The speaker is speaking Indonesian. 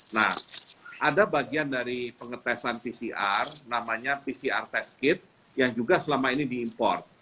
nah ada bagian dari pengetesan pcr namanya pcr test kit yang juga selama ini diimport